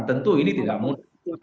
tentu ini tidak mudah